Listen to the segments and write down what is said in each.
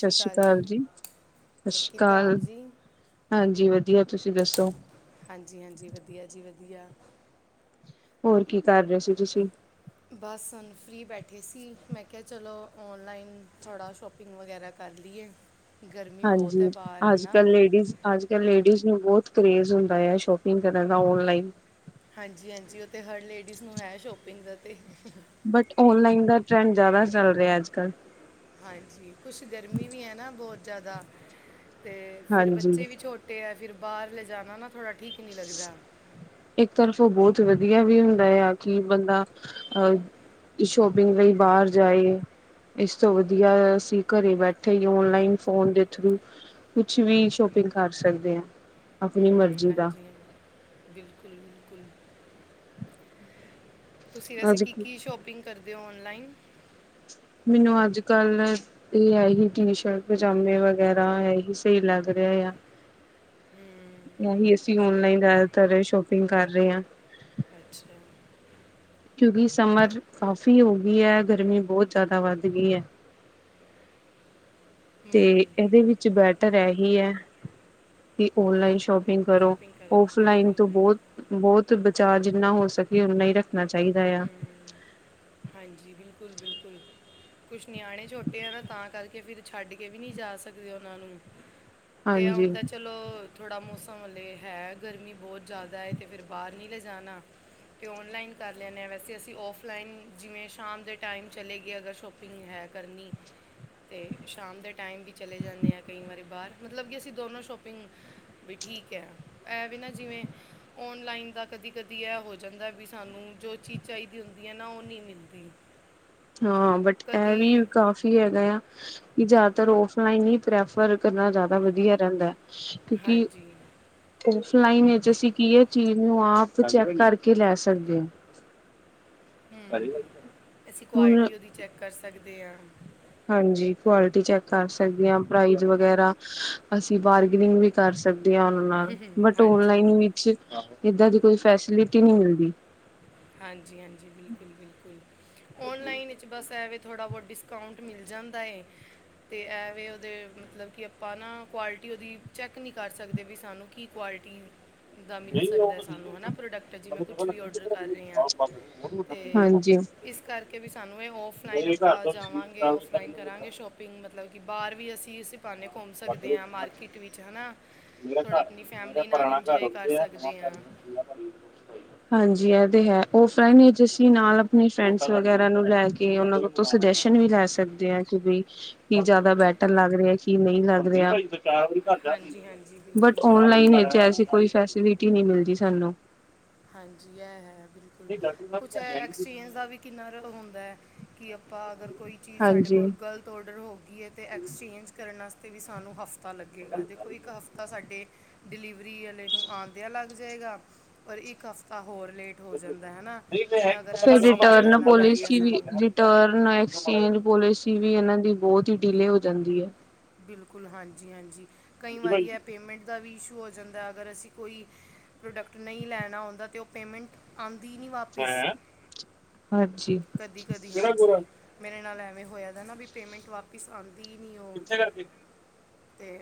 ਸਤ ਸ਼੍ਰੀ ਕਾਲ ਜੀ, ਸਤ ਹੋਰ ਸ਼੍ਰੀ ਕਿੱਦਾਂ ਆਪ ਕਾਲ। ਜੀ ਹਾਂਜੀ, ਵਧੀਆ ਤੁਸੀਂ ਦੱਸੋ? ਹਾਂਜੀ ਹਾਂਜੀ, ਵਧੀਆ ਜੀ ਵਧੀਆ। ਹੋਰ ਕੀ ਕਰ ਰੇ ਸੀ ਤੁਸੀਂ? ਬਸ ਹੋਨ ਫਰੀ ਬੈਠੇ ਸੀ ਮੈਂ ਕਿਹਾ ਚਲੋ ਔਨਲਾਈਨ ਥੋਡਾ ਸ਼ੋਪ ਪਿੰਗ ਵਗੈਰਾ ਕਰ ਲੀਏ। ਹਾਂਜੀ, ਅੱਜ-ਕੱਲ ਲੇਡੀਜ਼ ਅੱਜ ਕੱਲ੍ਹ ਲੇਡੀਜ਼ ਨੂੰ ਬਹੁਤ ਕਰੇਜ ਹੁੰਦਾ ਹੈ ਸ਼ੋਪਿੰਗ ਕਰਨ ਦਾ ਔਨਲਾਈਨ ਹਾਂਜੀ ਹਾਂਜੀ ਉੱਥੇ ਹਰ ਲੇਡੀਜ਼ ਨੂੰ ਹੈ ਸ਼ੋਪਿੰਗ ਦਾ ਤੇ ਬਟ ਔਨਲਾਈਨ ਦਾ ਟਰੈਂਡ ਜ਼ਿਆਦਾ ਚੱਲ ਰਿਹਾ ਅੱਜ ਕੱਲ੍ਹ ਹਾਂਜੀ ਕੁਛ ਗਰਮੀ ਵੀ ਹੈ ਨਾ ਬਹੁਤ ਜ਼ਿਆਦਾ ਅਤੇ ਫਿਰ ਹਾਂਜੀ ਬੱਚੇ ਵੀ ਛੋਟੇ ਤੇ ਹੈ ਫਿਰ ਬਾਹਰ ਲੇੈ ਜਾਣਾ ਨਾ ਥੋੜ੍ਹਾ ਠੀਕ ਨਹੀਂ ਲੱਦਾ ਇੱਕ ਤਰਫ ਉਹ ਬਹੁਤ ਵਧੀਆ ਵੀ ਹੁੰਦਾ ਆ ਕਿ ਬੰਦਾ ਅਹ ਸ਼ੋਪਿੰਗ ਲਈ ਬਾਹਰ ਜਾਏ ਇਸ ਤੋਂ ਵਧੀਆ ਅਸੀਂ ਘਰੇ ਬੈਠੇ ਹੀ ਓਨਲਾਈਨ ਫੋਨ ਦੇ ਥਰੂ ਕੁਛ ਵੀ ਸ਼ੋਪਿੰਗ ਕਰ ਸਕਦੇ ਹਾਂ ਆਪਣੀ ਹਮ ਮਰਜ਼ੀ ਦਾ ਹਾਂਜੀ ਹਾਂਜੀ ਬਿਲਕੁਲ ਬਿਲਕੁਲ ਤੁਸੀਂ ਵੈਸੇ ਕੀ ਅੱਜ ਕੀ ਸ਼ੋਪ ਸ਼ਪਿੰਗ ਕਰਦੇ ਹੋ ਔਨਲਾਈਨ ਮੈਨੂੰ ਅੱਜ ਕੱਲ ਇਹ ਹੈ ਹੀ ਟੀ ਸ਼ਰਟ ਪਜਾਮੇ ਵਗੈਰਾ ਇਹ ਹੀ ਸਹੀ ਲੱਗ ਰਿਹਾ ਆ ਇਹੀ ਅਸੀਂ ਓਨਲਾਈਨ ਜ਼ਿਆਦਾਤਰ ਸ਼ੋਪਿੰਗ ਕਰ ਰਹੇ ਹਾਂ ਅੱਛਾ ਕਿਉਂਕਿ ਸਮਰ ਕਾਫ਼ੀ ਹੋ ਗਈ ਹੈ ਗਰਮੀ ਬਹੁਤ ਜ਼ਿਆਦਾ ਵੱਧ ਗਈ ਹੈ ਤੇ ਇਹਦੇ ਵਿੱਚ ਬੈਟਰ ਇਹੀ ਹੈ ਕਿ ਓਨਲਾਈਨ ਸ਼ੋਪਿੰ ਪਿੰਗ ਕਰੋ ਸ਼ਾਪਿੰਗ ਕਰਿਓ ਔਫਲਾਈਨ ਬਿਲਕੁਲ ਤੋਂ ਬਹੁਤ ਬਹੁਤ ਬਚਾਅ ਜਿੰਨਾ ਹੋ ਸਕੇ ਓਨਾ ਹੀ ਰੱਖਣਾ ਚਾਹੀਦਾ ਯਾਂ ਹਮ, ਹਾਂਜੀ ਬਿਲਕੁਲ ਬਿਲਕੁਲ ਕੁਛ ਨਿਆਣੇ ਛੋਟੇ ਆ ਨਾ ਤਾਂ ਕਰਕੇ ਫਿਰ ਛੱਡ ਕੇ ਵੀ ਨਹੀਂ ਜਾ ਸਕਦੇ ਉਹਨਾਂ ਨੂੰ ਤੇ ਇਹ ਹੁਣ ਹਾਂਜੀ ਤਾਂ ਚਲੋ ਥੋੜ੍ਹਾ ਮੌਸਮ ਹਲੇ ਹੈ ਗਰਮੀ ਬਹੁਤ ਜ਼ਿਆਦਾ ਹੈ ਤੇ ਫਿਰ ਬਾਹਰ ਨਹੀਂ ਲੈਜਾਣਾ ਤੇ ਔਨਲਾਈਨ ਕਰ ਲੈਂਨੇ ਹਾਂ ਵੈਸੇ ਅਸੀਂ ਔਫਲਾਈਨ ਜਿਵੇਂ ਸ਼ਾਮ ਦੇ ਟਾਈਮ ਚਲੇ ਗਏ ਅਗਰ ਸ਼ੋਪਿੰਗ ਹੈ ਕਰਨੀ ਅਤੇ ਸ਼ਾਮ ਦੇ ਟਾਈਮ ਵੀ ਚਲੇ ਜਾਂਦੇ ਹਾਂ ਕਈ ਵਾਰੀ ਬਾਹਰ ਮਤਲਬ ਕਿ ਅਸੀਂ ਦੋਨੋਂ ਸ਼ੋਪਿੰਗ ਵੀ ਠੀਕ ਹੈ ਇਹ ਵੀ ਨਾ ਜਿਵੇਂ ਔਨਲਾਈਨ ਦਾ ਕਦੀ ਕਦੀ ਇਹ ਹੋ ਜਾਂਦਾ ਵੀ ਸਾਨੂੰ ਜੋ ਚੀਜ਼ ਚਾਹੀਦੀ ਹੁੰਦੀ ਹੈ ਨਾ ਉਹ ਨਹੀਂ ਮਿਲਦੀ ਹਾਂ ਬਟ ਇਹ ਵੀ ਕਦੀ ਕਾਫੀ ਹੈਗਾ ਯਾਂ ਕਿ ਜ਼ਿਆਦਾਤਰ ਔਫਲਾਈਨ ਹੀ ਪ੍ਰੈਫਰ ਕਰਨਾ ਜ਼ਿਆਦਾ ਵਧੀਆ ਰਹਿੰਦਾ ਹੈ ਕਿਉਂਕਿ ਹਾਂਜੀ ਔਫਲਾਈਨ ਵਿੱਚ ਅਸੀਂ ਕੀ ਹੈ ਚੀਜ਼ ਨੂੰ ਆਪ ਚੈੱਕ ਕਰਕੇ ਲੈ ਸਕਦੇ ਹਾਂ [unintelligible] ਅਸੀਂ ਹੁਣ ਕੁਆਲਿਟੀ ਉਹਦੀ ਚੈੱਕ ਕਰ ਸਕਦੇ ਹਾਂ ਹਾਂਜੀ ਕੁਆਲਿਟੀ ਚੈੱਕ ਕਰ ਸਕਦੇ ਹਾਂ ਪ੍ਰਾਈਜ਼ ਵਗੈਰਾ ਅਸੀਂ ਬਾਰਗਨਿੰਗ ਵੀ ਕਰ ਸਕਦੀ ਹ ਉਹਨਾਂ ਨਾਲ ਬਟ ਓਨਲਾਈਨ ਹਾਂਜੀ ਵਿੱਚ ਏਦਾਂ ਦੀ ਕੋਈ ਫੈਸਿਲਿਟੀ ਨਹੀਂ ਮਿਲਦੀ ਹਾਂਜੀ ਹਾਂਜੀ ਬਿਲਕੁਲ ਬਿਲਕੁਲ ਔਨਲਾਈਨ ਵਿੱਚ ਬਸ ਐਵੇਂ ਥੋੜਾ ਬਹੁਤ ਡਿਸਕਾਊਂਟ ਮਿਲ ਜਾਂਦਾ ਏ ਤੇ ਐਵੇ ਉਹਦੇ ਮਤਲਬ ਕਿ ਆਪਾਂ ਨਾ ਕੁਆਲਿਟੀ ਉਹਦੀ ਚੈੱਕ ਨਹੀਂ ਕਰ ਸਕਦੇ ਵੀ ਸਾਨੂੰ ਕੀ ਕੁਆਲਿਟੀ ਦਾ ਮਿਲ ਸਕਦਾ ਸਾਨੂੰ ਹੈ ਨਾ ਪ੍ਰੋਡਕਟ ਜਿਵੇਂ ਕੁਛ ਵੀ ਔਡਰ ਕਰ ਰਹੀ ਹਾਂ ਤੇ ਹਾਂਜੀ ਇਸ ਕਰਕੇ ਵੀ ਸਾਨੂੰ ਇਹ ਔਫਲਾਈਨ ਬਾਹਰ ਜਾਵਾਂਗੇ ਔਫਲਾਈਨ ਕਰਾਂਗੇ ਸ਼ੋਪਿੰਗ ਮਤਲਬ ਕਿ ਬਾਹਰ ਵੀ ਅਸੀਂ ਸਿਫ ਹੱਲੇ ਘੁੰਮ ਸਕਦੇ ਹਾਂ ਮਾਰਕੀਟ ਵਿੱਚ ਹਨਾ ਮੇਰਾ ਥੋੜਾ ਘਰ ਆਪਣੀ ਮੇਰਾ ਫੈਮਿਲੀ ਨਾਲ ਪੁਰਾਣਾ ਘਰ ਇੰਜੋਏ ਕਰ ਓਥੇ ਆ ਨਵਾਂ ਸਕਦੇ ਘਰ [unintelligible] ਹਾਂਜੀ ਇਹ ਤੇ ਹੈ ਔਫਲਾਈਨ ਵਿਚ ਅਸੀ ਨਾਲ ਆਪਣੇ ਫਰੈਂਡਸ ਵਗੈਰਾ ਨੂੰ ਲੈ ਕੇ ਉਹਨਾਂ ਨੂੰ ਤੋਂ ਸੁਜੈਸ਼ਨ ਵੀ ਲੈ ਸਕਦੇ ਆ ਕਿ ਬਈ ਕੀ ਜਿਆਦਾ ਬੈਟਰ ਲੱਗ ਰਿਹਾ ਕੀ ਨਹੀਂ ਲੱਗ ਰਿਹਾ ਹਾਂਜੀ ਹਾਂਜੀ ਬਿਲਕੁਲ ਬਟ ਬਿਲਕੁਲ ਔਨਲਾਈਨ ਵਿਚ ਐਸੀ ਕੋਈ ਫਲਸਿਟੀ ਨਹੀ ਮਿਲਦੀ ਸਾਨੂੰ ਹਾਂਜੀ ਇਹ ਹੈ ਬਿਲਕੁਲ ਕੁਛ ਐਕਸਚੇਂਜ ਦਾ ਵੀ ਕਿੰਨਾ ਜਿਆਦਾ ਹੁੰਦਾ ਕਿ ਆਪਾਂ ਅਗਰ ਕੋਈ ਚੀਜ਼ ਸਾਡੇ ਹਾਂਜੀ। ਕੋਲ ਗ਼ਲਤ ਔਡਰ ਹੋ ਗਈ ਹੈ ਤੇ ਐਕਸਚੇਂਜ ਕਰ ਕਰਨ ਵਾਸਤੇ ਵੀ ਸਾਨੂੰ ਹਫ਼ਤਾ ਲੱਗੇਗਾ ਦੇਖੋ ਇੱਕ ਹਫ਼ਤਾ ਤਾਂ ਸਾਡੇ ਡਿਲੀਵਰੀ ਵਾਲੇ ਨੂੰ ਆਂਦੇ ਆ ਲੱਗ ਜਾਏਗਾ ਪਰ ਇੱਕ ਹਫ਼ਤਾ ਹੋਰ ਲੇਟ ਹੋ ਜਾਂਦਾ ਹੈ ਨਾ ਜਿਵੇਂ ਅਗਰ ਐਕਸਚੇਂਜ ਕਰਨਾ ਪੈ ਗਿਆ ਸਾਨੂੰ ਟਰਨ ਐਕਸਚੇਂਜ ਪੋਲਿਸੀ ਵੀ ਇਹਨਾਂ ਦੀ ਬਹੁਤ ਹੀ ਡੀਲੇ ਹੋ ਜਾਂਦੀ ਹੈ ਬਿਲਕੁਲ ਹਾਂਜੀ ਹਾਂਜੀ ਕਈ ਵਾਰੀ ਹੈ ਪੇਮੈਂਟ ਦਾ ਵੀ ਇਸ਼ੂ ਹੋ ਜਾਂਦਾ ਅਗਰ ਅਸੀਂ ਕੋਈ ਪ੍ਰੋਡਕਟ ਨਹੀਂ ਲੈਣਾ ਹੁੰਦਾ ਤਾਂ ਉਹ ਪੇਮੈਂਟ ਆਉਂਦੀ ਨਹੀਂ ਵਾਪਿਸ ਹਾਂਜੀ। ਕਦੀ ਕਦੀ ਹਾਂਜੀ ਮੇਰੇ ਨਾਲ ਐਵੇਂ ਹੋਇਆ ਦਾ ਨਾ ਵੀ ਪੇਮੈਂਟ ਵਾਪਿਸ ਆਉਂਦੀ ਨਹੀਂ ਉਹ ਤੇ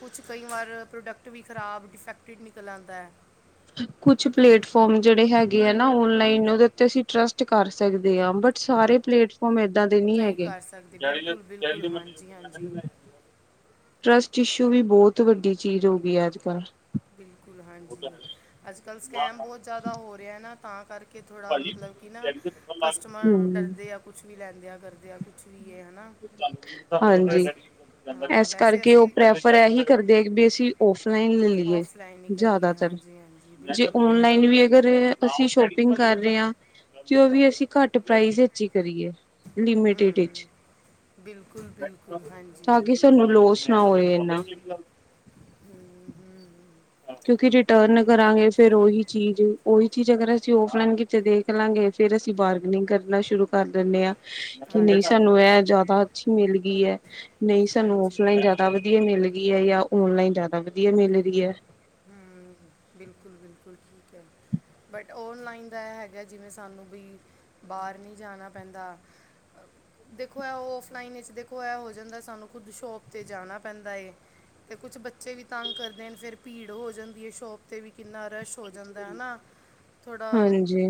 ਕੁਛ ਕਈ ਵਾਰ ਪ੍ਰੋਡਕਟ ਵੀ ਖਰਾਬ ਡਿਫੈਕਟਡ ਨਿਕਲ ਆਂਦਾ ਹੈ ਕੁਛ ਪਲੇਟਫੋਮ ਜਿਹੜੇ ਹੈਗੇ ਆ ਨਾ ਔਨਲਾਈਨ ਉਹਦੇ ਉਤੇ ਅਸੀ ਟਰਸਟ ਕਰ ਸਕਦੇ ਹਾਂ ਬਟ ਸਾਰੇ ਪਲੇਟਫਾਰਮ ਇਦਾਂ ਦੇ ਨੀ ਨਹੀਂ ਹੈਗੇ ਕਰ ਸਕਦੇ ਬਿਲਕੁਲ ਬਿਲਕੁਲ ਹਾਂਜੀ ਹਾਂਜੀ ਟਰਸਟ ਇਸ਼ੂ ਵੀ ਬਹੁਤ ਵੱਡੀ ਚੀਜ਼ ਹੋ ਗਈ ਹੈ ਅੱਜ ਕੱਲ ਬਿਲਕੁਲ ਹਾਂਜੀ ਅੱਜ ਕੱਲ ਸਕੈਮ ਬਹੁਤ ਜ਼ਿਆਦਾ ਹੋ ਰਿਹਾ ਨਾ ਤਾਂ ਕਰਕੇ ਥੋੜਾ ਮਤਲਬ ਕਿ ਨਾ ਕਸਟਮਰ ਹਮ ਡਰਦੇ ਆਪ ਕੁਛ ਵੀ ਲੈਂਦ ਆ ਕਰਦ ਆ ਕੁਛ ਵੀ ਇਹ ਹੈਨਾ ਹਾਂਜੀ ਹਾਂ ਇਸ ਵੈਸੇ ਕਰਕੇ ਉਹ ਅਸੀਂ ਪ੍ਰੈਫਰ ਇਹੀ ਕਰਦੇ ਆ ਵੀ ਅਸੀਂ ਔਫਲਾਈਨ ਲੈ ਲਈਏ ਆਫਲਾਈਨ ਹੀ ਕਰੀਏ ਜ਼ਿਆਦਾਤਰ ਹਾਂਜੀ ਹਾਂਜੀ ਜੇ ਬਿਲਕੁਲ ਔਨਲਾਈਨ ਬਿਲਕੁਲ ਵੀ ਅਗਰ ਅਸੀਂ ਸ਼ੋਪਿੰਗ ਕਰ ਰਹੇ ਹਾਂ ਜੇ ਉਹ ਵੀ ਅਸੀਂ ਘੱਟ ਪ੍ਰਾਈਜ਼ ਵਿੱਚ ਹੀ ਕਰੀਏ ਲਿਮਟਿਡ ਹੂ ਵਿੱਚ ਬਿਲਕੁਲ ਬਿਲਕੁਲ ਹਾਂਜੀ ਤਾਂ ਕਿ ਸਾਨੂੰ ਲੋਸ਼ ਨਾ ਹੋਵੇ ਇਨਾ ਹੂ ਹੂ ਹੂ,,, ਕਿਉਂਕਿ ਰਿਟਰਨ ਕਰਾਂਗੇ ਫੇਿਰ ਉਹੀ ਚੀਜ਼ ਉਹੀ ਚੀਜ਼ ਅਗਰ ਅਸੀਂ ਔਫਲਾਈਨ ਕਿਤੇ ਦੇਖ ਦੇਖਲਾਂਗੇ ਫਿਰ ਅਸੀਂ ਬਾਰਗਨਿੰਗ ਕਰਨਾ ਸ਼ੁਰੂ ਕਰ ਦਿੰਦੇ ਹਾਂ ਕਿ ਇਹ ਸਾਨੂੰ ਹਾਂਜੀ ਇਹ ਜ਼ਿਆਦਾ ਅੱਛੀ ਮਿਲ ਗਈ ਹੈ ਨਹੀਂ ਸਾਨੂੰ ਹਾਂਜੀ ਔਫਲਾਈਨ ਜ਼ਿਆਦਾ ਤਾਂ ਵਧੀਆ ਮਿਲ ਗਈ ਹੈ ਜਾਂ ਔਨਲਾਈਨ ਜ਼ਿਆਦਾ ਵਧੀਆ ਮਿਲ ਗਈ ਹੈ। ਹੂ ਬਿਲਕੁਲ ਬਿਲਕੁਲ ਠੀਕ ਹੈ। ਬਟ ਔਨਲਾਈਨ ਦਾ ਇਹ ਹੈਗਾ ਜਿਵੇਂ ਸਾਨੂੰ ਵੀ ਬਾਹਰ ਨਹੀਂ ਜਾਣਾ ਪੈਂਦਾ ਅ, ਦੇਖੋ ਹੈ ਉਹ ਔਫਲਾਈਨ ਵਿੱਚ ਦੇਖੋ ਇਹ ਹੋ ਜਾਂਦਾ ਸਾਨੂੰ ਖੁਦ ਸ਼ੋਪ ਤੇ ਜਾਣਾ ਪੈਂਦਾ ਤੇ ਕੁਛ ਬੱਚੇ ਵੀ ਤੰਗ ਕਰਦੇ ਨੇ ਫਿਰ ਭੀੜ ਹੋ ਜਾਂਦੀ ਹੈ ਸ਼ੋਪ 'ਤੇ ਵੀ ਕਿੰਨਾ ਰਸ਼ ਹੋ ਜਾਂਦਾ ਹੈਨਾ ਥੋੜਾ ਹਾਂਜੀ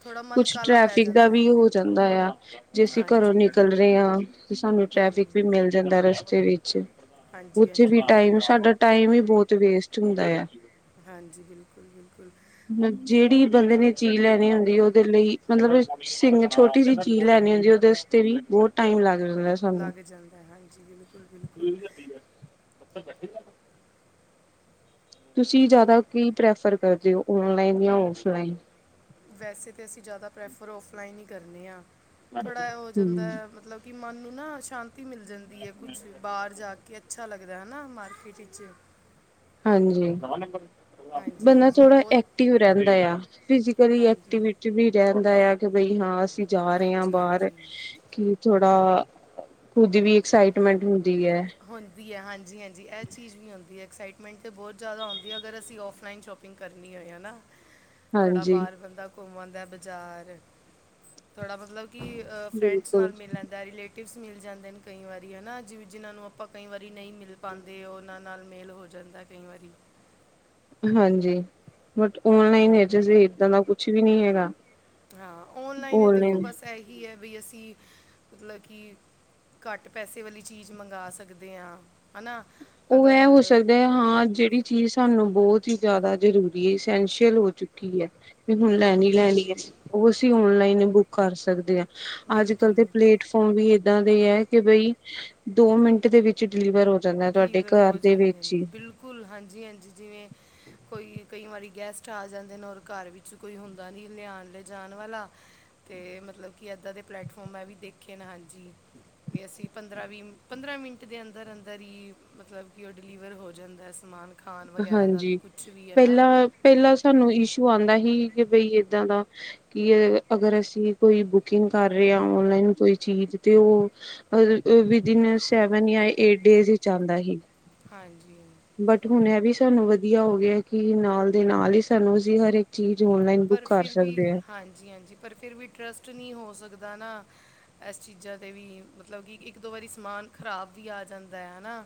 ਥੋੜਾ ਮਨ ਕੁਛ ਕਾਲਾ ਪੈ ਟ੍ਰੈਫਿਕ ਦਾ ਜਾਂਦਾ ਹੈ ਵੀ ਹੋ ਜਾਂਦਾ ਆ ਜੇ ਅਸੀਂ ਘਰੋਂ ਹਾਂਜੀ ਨਿਕਲ ਰਹੇ ਹਾਂ ਕਿ ਸਾਨੂੰ ਟ੍ਰੈਫਿਕ ਹੂੰ ਵੀ ਮਿਲ ਜਾਂਦਾ ਰਸਤੇ ਵਿੱਚ ਹਾਂਜੀ ਉੱਥੇ ਹਾਂਜੀ ਵੀ ਬਿਲਕੁਲ ਟਾਈਮ ਸਾਡਾ ਟਾਈਮ ਹੀ ਬਹੁਤ ਵੇਸਟ ਹੁੰਦਾ ਆ ਹਾਂਜੀ ਬਿਲਕੁਲ -ਬਿਲਕੁਲ। ਜਿਹੜੀ ਬੰਦੇ ਨੇ ਚੀਜ਼ ਲੈਣੀ ਹੁੰਦੀ ਉਹਦੇ ਲਈ ਮਤਲਬ ਸਿੰ ਛੋਟੀ ਜਿਹੀ ਚੀਜ਼ ਲੈਣੀ ਹੁੰਦੀ ਉਹਦੇ ਤੇ ਵੀ ਬਹੁਤ ਟਾਈਮ ਲੱਗ ਜਾਂਦਾ ਸਾਨੂੰ ਲੱਗ ਜਾਂਦਾ ਹੈ ਹਾਂਜੀ ਬਿਲਕੁਲ, ਬਿਲਕੁਲ ਬੱਥੇ ਬੈਠੀ ਤੁਸੀਂ ਜ਼ਿਆਦਾ ਕੀ ਪ੍ਰੈਫਰ ਕਰਦੇ ਹੋ ਔਨਲਾਈਨ ਜਾਂ ਔਫਲਾਈਨ ਵੈਸੇ ਤਾਂ ਅਸੀਂ ਜ਼ਿਆਦਾ ਪ੍ਰੈਫਰ ਔਫਲਾਈਨ ਹੀ ਕਰਨੇ ਹਾਂ ਥੋੜ੍ਹਾ ਜਿ ਹੋ ਜਾਂਦਾ ਹੂੰ ਮਤਲਬ ਕਿ ਮਨ ਨੂੰ ਨਾ ਸ਼ਾਂਤੀ ਮਿਲ ਜਾਂਦੀ ਹੈ ਕੁਛ ਬਾਹਰ ਜਾ ਕੇ ਕਿ ਅੱਛਾ ਲੱਗਦਾ ਹੈ ਨਾ ਮਾਰਕੀਟ ਵਿੱਚ ਹਾਂਜੀ ਹਾਂਜੀ ਵੀ ਬੰਦਾ ਜਿਵੇਂ ਥੋੜਾ ਬਹੁਤ ਐਕਟਿਵ ਰਹਿੰਦਾ ਆ ਕਦੀ ਹਾਂਜੀ ਐਕਟੀਵਿਟੀ ਵੀ ਰਹਿੰਦਾ ਆ ਕਿ ਬਈ ਹਾਂ ਅਸੀਂ ਜਾ ਰਹੇ ਹਾਂ ਹਾਂਜੀ ਬਾਹਰ ਹਾਂਜੀ ਕਿ ਥੋੜਾ ਖੁਦ ਵੀ ਐਕਸਾਈਟਮੈਂਟ ਹੁੰਦੀ ਹੈ ਹੁੰਦੀ ਹੈ ਹਾਂਜੀ- ਹਾਂਜੀ ਇਹ ਚੀਜ਼ ਵੀ ਹੁੰਦੀ ਹੈ ਐਕਸਾਈਟਮੈਂਟ ਬਹੁਤ ਜ਼ਿਆਦਾ ਹੁੰਦੀ ਹੈ ਅਗਰ ਅਸੀਂ ਔਫਲਾਈਨ ਸ਼ੋਪਿੰਗ ਕੁਕਿੰਗ ਕਰਨੀ ਹੋ ਨਾ ਹ ਥੋੜਾ ਬਾਹਰ ਬੰਦਾ ਘੁੰਮਣ ਦਾ ਬਜ਼ਾਰ, ਥੋੜਾ ਮਤਲਬ ਕਿ ਫਰੈਂਡਸ ਬਿਲਕੁਲ ਨਾਲ ਮਿਲ ਲੈਂਦਾ, ਰਿਲੇਟਿਵਸ ਮਿਲ ਜਾਂਦੇ ਨੇ ਕਈ ਵਾਰੀ ਹੈ ਨਾ ਜਿ ਜਿਨ੍ਹਾਂ ਨੂੰ ਆਪ ਆਪਾਂ ਕਈ ਵਾਰੀ ਨਹੀਂ ਮਿਲ ਪਾਉਂਦੇ, ਉਹਨਾਂ ਨਾਲ ਮੇਲ ਹੋ ਜਾਂਦਾ ਕਈ ਵਾਰੀ ਹਾਂਜੀ ਬਟ ਓਨਲਾਈਨਜ ਇਦਾਂ ਦਾ ਕੁਛ ਵੀ ਨਹੀ ਹੈਗਾ ਹਾਂ ਆਨਲਾਈਨ ਦੇਖੋ ਓਨਲਾਈਨ ਬਸ ਇਹੀ ਹੈ ਵੀ ਅਸੀਂ ਮਤਲਬ ਕਿ ਘੱਟ ਪੈਸੇ ਵਾਲੀ ਚੀਜ਼ ਮੰਗਵਾ ਸਕਦੇ ਹਾਂ ਹਨਾ ਉਹ ਅਗਰ ਐ ਹੋ ਸਕਦਾ ਹਾਂ ਜਿਹੜੀ ਚੀਜ਼ ਸਾਨੂੰ ਬਹੁਤ ਹੀ ਜ਼ਿਆਦਾ ਜ਼ਰੂਰੀ ਹੈ ਇਸਸੈਂਸ਼ੀਅਲ ਹੋ ਚੁੱਕੀ ਹੈ। ਹੁਣ ਲੈਣੀ ਲੈ ਲਈਏ ਉਹ ਸੀ ਆਨਲਾਈਨ ਬੁੱਕ ਕਰ ਸਕਦੇ ਆ ਅੱਜ ਕੱਲ ਤੇ ਬਿਲਕੁਲ ਪਲੇਟ ਫੋਰਮ ਵੀ ਏਦਾਂ ਦੇ ਹੈ, ਕਿ ਬਈ ਦੋ ਮਿੰਟ ਦੇ, ਵਿੱਚ ਡਿਲੀਵਰ ਹੋ ਜਾਂਦਾ ਤੁਹਾਡੇ, ਸਾਡੇ ਘਰ ਦੇ ਵਿੱਚ ਹੀ ਕੁਲ ਹਾਂਜੀ- ਹਾਂਜੀ ਜਿਵੇਂ, ਕੋਈ ਕਈ ਵਾਰੀ ਗੈਸਟ ਆ ਜਾਂਦੇ ਨੇ ਔਰ ਘਰ ਵਿੱਚ ਕੋਈ ਹੁੰਦਾ ਨਹੀਂ ਲਿਆਉਣ ਲੈਜਣ ਵਾਲਾ ਤੇ ਮਤਲਬ ਕਿ ਇੱਦਾਂ ਦੇ ਪਲੈਟਫੋਮ ਹੈ ਵੀ ਦੇਖੇ ਨਾ ਹਾਂਜੀ ਵੀ ਅਸੀਂ ਪੰਦਰਾਂ ਵੀਹ ਪੰਦਰਾਂ ਮਿੰਟ ਦੇ ਅੰਦਰ-ਅੰਦਰ ਧ ਹੀ ਮਤਲਬ ਕਿ ਉਹ ਡਿਲੀਵਰ ਹੋ ਜਾਂਦਾ ਸਮਾਨ ਖਾਣ ਵਗੈਰਾ ਦਾ ਵੀ ਹਾਂਜੀ ਕੁਛ ਵੀ ਹੈ ਨਾ ਪਹਿਲਾਂ ਪਹਿਲਾਂ ਸਾਨੂੰ ਇਸ਼ੂ ਆਉਂਦਾ ਸੀ ਕਿ ਬਈ ਏਦਾਂ ਦਾ ਕੀ ਅਗਰ ਅਸੀਂ ਕੋਈ ਬੁਕਿੰਗ ਕਰ ਰਹੇ ਆ ਆਨਲਾਈਨ ਕੋਈ ਚੀਜ਼ ਤੇ ਉਹ ਬਿਦਇਨ ਸੈਵਨ ਜਾਂ ਏਟ ਡੇਜ਼ ਹੀ ਚਲਦਾ ਸੀ। ਹਾਂਜੀ, ਬਟ ਹੁਣ ਇਹ ਵੀ ਸਾਨੂੰ ਵਧੀਆ ਹੋ ਗਿਆ ਕਿ ਨਾਲ ਦੇ ਨਾਲ ਹੀ ਸਾਨੂੰ ਅਸੀਂ ਹਰ ਇੱਕ ਚੀਜ਼ ਔਨਲਾਈਨ ਬੁੱਕ ਪਰ ਕਰ ਫਿਰ ਵੀ, ਸਕਦੇ ਹਾਂ ਹਾਂਜੀ- ਹਾਂਜੀ, ਪਰ ਫਿਰ ਵੀ ਟਰਸਟ ਨਹੀਂ ਹੋ ਸਕਦਾ ਨਾ। ਇਸ ਚੀਜ਼ਾਂ 'ਤੇ ਵੀ ਮਤਲਬ ਕਿ ਇੱਕ ਦੋ ਵਾਰੀ ਸਮਾਨ ਖ਼ਰਾਬ ਵੀ ਆ ਜਾਂਦਾ ਹੈ ਹਨਾ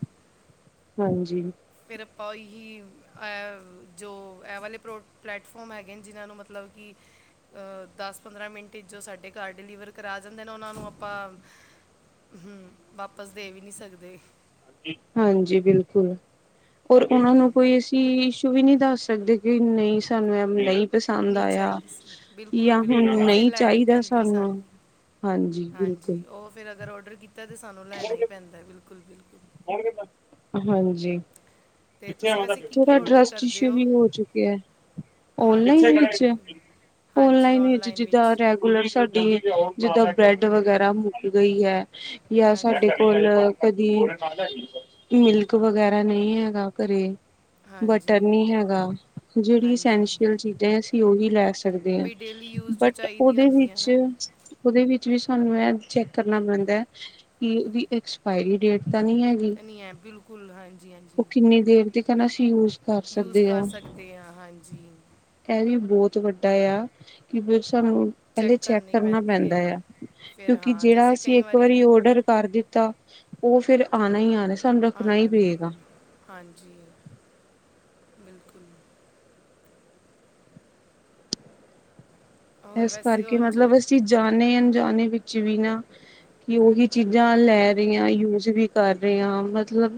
ਹਾਂਜੀ, ਫਿਰ ਆਪਾਂਹੀ ਐ ਜੋ ਐ ਵਾਲੇ ਪ੍ਰੋ ਪਲੈਟਫੋਮ ਹੈਗੇ ਨੇ, ਜਿਨ੍ਹਾਂ ਨੂੰ ਮਤਲਬ ਕਿ, ਦਸ ਪੰਦਰਾਂ ਮਿੰਟ ਜੋ ਸਾਡੇ ਘਰ ਡਿਲੀਵਰ ਕਰਾ ਜਾਂਦੇ ਨੇ ਉਹਨਾਂ ਨੂੰ ਆਪਾਂ, ਹਮ ਵਾਪਸ ਦੇ ਵੀ ਨਹੀ ਸਕਦੇ ਹਾਂਜੀ, ਬਿਲਕੁਲ ਹੋਰ ਉਹਨਾਂ ਨੂੰ ਹਮ, ਕੋਈ ਅਸੀਂ ਇਸ਼ੂ ਵੀ ਨਹੀ ਦੱਸ ਸਕਦੇ ਕਿ ਨਹੀਂ ਸਾਨੂੰ ਐ ਨਹੀਂ ਪਸੰਦ ਨਹੀਂ ਆਇਆ ਚਾਹੀਦੀ ਸੀ ਬਿਲਕੁਲ, ਜਾਂ ਬਿਲਕੁਲ ਹੁਣ ਉਹ ਫਿਰ ਨਹੀਂ ਲੈਣੀ ਚਾਹੀਦਾ ਪੈਂਦੀ ਸਾਨੂੰ ਹਾਂਜੀ ਬਿਲਕੁਲ ਹਾਂਜੀ ਉਹ ਫਿਰ ਅਗਰ ਓਡਰ ਕੀਤਾ ਤੇ ਸਾਨੂੰ ਲੈਣਾ ਹੀ ਪੈਂਦਾ ਬਿਲਕੁਲ- ਬਿਲਕੁਲ ਹਾਂਜੀ ਤੇ ਤੁਸੀਂ ਵੈਸੇ ਕੀ ਕੀ ਥੋੜਾ ਆਰਡਰ ਟਰੱਸਟ ਕਰਦੇ ਇਸ਼ੂ ਵੀ ਹੋ ਚੁੱਕਿਆ ਹੈ, ਓਨਲਾਈਨ ਹਾਂਜੀ ਵਿੱਚ, ਬਿਲਕੁਲ ਹਾਂਜੀ ਓਨਲਾਈਨ ਵਿੱਚ ਆਨਲਾਈਨ ਜਿੱਦਾਂ ਸਾਡੀ ਜਿਦਾਂ ਬ੍ਰੈਡ ਵਗੈਰਾ ਮੁੱਕ ਗਈ ਹੈ ਜਾਂ ਸਾਡੇ ਹਾਂਜੀ ਕੋਲ ਕਦੀ ਮਿਲਕ ਵਗੈਰਾ ਨਹੀਂ ਹੈਗਾ ਘਰੇ। ਬਟਰ ਹਾਂਜੀ ਨਹੀਂ ਹੈਗਾ। ਜਿਹੜੀ ਹਾਂਜੀ ਅਸੈਂਸ਼ੀਅਲ ਚੀਜ਼ਾਂ ਅਸੀਂ ਉਹੀ ਲੈ ਸਕ ਸਕਦੇ ਹਾਂ। ਵੀ ਡੇਲੀ ਯੂਜ਼ ਜੋ ਬਟ ਚਾਹੀਦੀ ਉਹਦੇ ਹੁੰਦੀ ਹੈ ਵਿੱਚ ਨਾ ਓਦੇ ਵਿਚ ਵੀ ਸਾਨੂੰ ਆ ਚੈੱਕ ਕਰਨਾ ਪੈਂਦਾ ਹੈ। ਕਿ ਉਹਓਦੀ ਐਕਸਪਾਇਰੀ ਡੇਟ ਤਾਂ ਨਹੀਂ ਹੈ। ਤਾਂ ਨਹੀਂ ਹੈ ਬਿਲਕੁਲ, ਹਾਂਜੀ- ਹਾਂਜੀ। ਦੇ ਦੇਰ ਤੱਕ। ਹੰਦਾ ਸੀ ਯੂਜ। ਕਰ ਯੂਜ ਸਕਦੇ ਕਰ ਹਾਂ ਸਕਦੇ ਹਾਂ। ਹਾਂਜੀ। ਇਹ ਵੀ ਬਹੁਤ ਵੱਡਾ ਆ। ਕਿ ਸਾਨੂੰ ਪਹਿਲੇ ਚੈੱਕ ਕਰਨੀ ਕਰਨਾ ਪੈਂਦੀ ਪੈਂਦਾ ਹੈ ਆ। ਫਿਰ ਕਿਉਂਕਿ ਹਾਂ ਜਿਹੜਾ ਜੈਸੇ ਅਸੀਂ ਕਈ ਇੱਕ ਵਾਰੀ ਓਡਰ ਕਰ ਦਿੱਤਾ। ਉਹ ਫੇਰ ਆਉਣਾ ਹੀ ਆਣਾ। ਸਾਨੂੰ ਰੱਖਣਾ ਆਉਣਾ ਹੀ ਹੈ ਪਏਗਾ। ਬਿਲਕੁਲ ਹਾਂਜੀ। ਬਿਲਕੁਲ, ਔਰ ਇਸ ਵੈਸੇ ਕਰਕੇ ਉਂਝ ਮਤਲਬ ਅਸੀਂ ਜਾਣੇ ਅ ਜਾਾਣੇ ਵਿੱਚ ਵੀ ਨਾ। ਕਿ ਉਹੀ ਚੀਜ਼ਾਂ ਲੈ ਰਹੀਆਂ ਵੀ ਯੂਜ ਵੀ ਕਰ ਰਹੇ ਹਾਂ। ਮਤਲਬ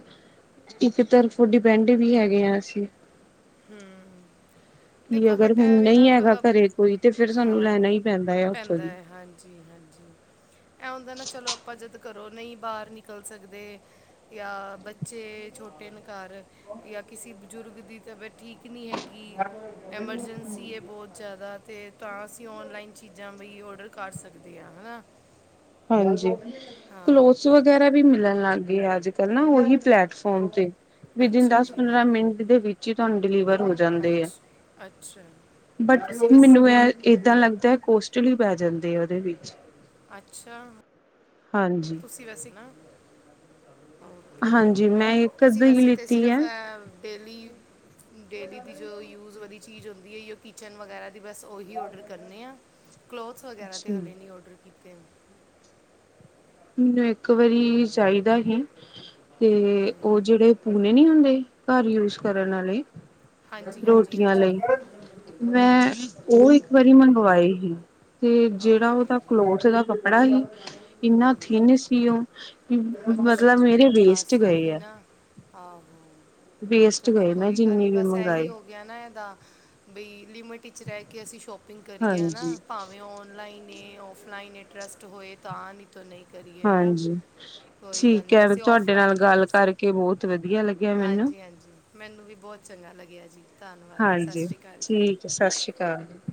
ਇੱਕ ਤਰਫ ਡਿਪੈਂਡ ਵੀ ਹੈਗੇ ਹਾਂ, ਅਸੀਂ। ਹ। ਕਿ ਦੇਖੋ ਅਗਰ ਹੁਣ ਬਟਾਵੇ ਨਹੀਂ ਨਾ। ਹੈਗਾ ਘਰੇ ਕੋਈ ਤੇ ਫਿਰ ਸਾਨੂੰ ਹਾਂ ਲੈਣਾ ਹੀ ਆ ਉੱਥੋਂ ਪੈਂਦਾ ਦੀ ਹੈ। ਹਾਂਜੀ, ਹਾਂਜੀ। ਐ ਹੁੰਦਾ ਨਾ ਚਲੋ ਆਪਾਂ ਜਿੱਦ ਕਰੋ ਨਹੀਂ ਬਾਹਰ ਨਿਕਲ ਸਕਦੇ। ਜਾਂ ਬੱਚੇ ਛੋਟੇ ਨੇ ਘਰ, ਜਾਂ ਕਿਸੇ ਬਜ਼ੁਰਗ ਦੀ ਤਬੀਅਤ, ਠੀਕ ਨਹੀਂ ਹੈਗੀ। ਐਮਰਜੈਂਸੀ ਹੈ ਬਹੁਤ਼। ਜ਼ਿਆਦਾ ਤੇ ਤਾਂ ਅਸੀਂ ਓਨਲਾਈਨ ਚੀਜ਼ਾਂ ਵੀ ਓਡਰ ਕਰ ਸਕਦੇ ਹਾਂ, ਹਨਾ। ਹਾਂਜੀ। ਹਾਂ ਕਲੋਥਸ ਵਗਰਾ਼ ਵਗੈਰਾ ਵੀ ਮਿਲਣ ਲੱਗ ਗਏ ਆ ਅੱਜ ਕੱਲ ਨਾ ਉਹੀ ਪਲੈਟਫੋਮ ਤੇ। ਵਿਦ ਇਨ ਅੱਛਾ ਦਸ ਜੀ -ਪੰਦਰਾਂ ਮਿੰਟ। ਦੇ ਵਿੱਚ ਹੀ ਤੁਹਾਨੂੰ ਡਿਲੀਵਰ ਹੋ ਜਾਂਦੇ ਆ। ਅੱਛਾ ਅੱਛਾ ਬਟ ਤੁਸੀਂ ਵੈਸੇ ਮੈਨੂੰ ਇਹ। ਏਦਾਂ ਲੱਗਦਾ ਕੋਸਟਲੀ ਪੈ ਜਾਂਦੇ ਆ ਉਹਦੇ ਵਿੱਚ। ਅੱਛਾ। ਹਾਂਜੀ। ਅਸੀਂ ਵੈਸੇ ਨਾ, ਓਕੇ, ਹਾਂਜੀ ਮੈਂ ਇੱਕ ਅੱਧ ਅਸੀਂ ਹੀ ਵੈਸੇ ਤਾਂ ਲਿੱਤੀ ਹੈ ਸਿਰਫ। ਡੈਲੀ। ਡੇਲੀ ਦੀ ਜੋ ਯੂਜ਼ ਵਾਲੀ ਚੀਜ਼ ਹੁੰਦੀ ਹੈ। ਜ ਕਿਚਨ ਵਗੈਰਾ ਦੀ ਬਸ ਉਹੀ ਔਡਰ ਕਰਨੇ ਹਾਂ। ਕਲੋਥਸ ਵਗੈਰਾ ਤਾਂ ਅੱਛਾ ਹੁਣੇ ਨਹੀਂ ਔਡਰ ਕੀਤੇ ਹਨ। ਮੈਨੂੰ ਇੱਕ ਵਾਰੀ ਚਾਹੀਦਾ ਸੀ। ਤੇ ਉਹ ਜਿਹੜੇ ਪੂਣੇ ਨੀ ਹੁੰਦੇ ਘਰ ਯੂਜ ਕਰਨ ਵਾਲੇ਼। ਹਾਂਜੀ ਹਾਂਜੀ ਰੋਟੀਆਂ ਹਾਂਜੀ ਲਈ। ਮੈਂ ਉਹ ਇੱਕ ਵਾਰੀ ਮੰਗਵਾਈ ਸੀ। ਤੇ ਜਿਹੜਾ ਓਕੇ ਉਹਦਾ ਜੀ ਕਲੋਥ ਦਾ ਕੱਪੜਾ ‌ ਬੜਾ ਹੀ ਇੰਨਾ ਥਿੰਨ ਸੀ। ਉਹ ਕਿ ਮਤਲਬ ਅੱਛਾ। ਮੇਰੇ ਵੇਸਟ ਬਸ ੳ। ਗਏ ਹੀ ਆ ਨਾ ਆਹੋ। ਵੇਸਟ ਚਲੋ ਗਏ ਮੈਂ ਕੋਈ ਗੱਲ ਨ ਜਿੰਨੀ ਵੀ ਬਸ ਇਹੀ ਮੰਗਵਾਏ ਹੋ ਗਿਆ ਨਾ ਇਹਦਾ। ਬਈ, ਲਿਮਿਟ ਵਿੱਚ ਰਹਿ਼ ਕਿ ਅਸੀਂ ਸ਼ੋਪਿੰਗ ਕਰੀਏ ਹੈ ਨਾ। ਹਾਂਜੀ ਭਾਵੇਂ ਔਨਲਾਈਨ ਏ, ਔਫਲਾਈਨ ਇ ਟਰਸਟ ਹੋਏ ਤਾਂ ਨ। ਤਾ ਨਹੀਂ ਕਰੀਏ ਹੈ। ਹਮ। ਕੋਈ ਗੱਲ ਨਹੀਂ ਵੈਸੇ ਔਫਲਾਈਨ ਹੀ ਵੈਸ ਬਹੁਤ ਵਧੀਆ ਲੱਗਿਆ ਮੈਨੂੰ ਹਾਂਜੀ- ਹਾਂਜੀ। ਮੈਨੂੰ ਵੀ ਬਹੁਤ ਚੰਗਾ ਲੱਗਿਆ ਜੀ। ਧੰਨਵਾਦ। ਸਤਿ ਹਾਂਜੀ ਸ਼੍ਰੀ ਅਕਾਲ ਜੀ। ਠੀਕ ਹੈ। ਸਤਿ ਸ਼੍ਰੀ ਅਕਾਲ ਜੀ।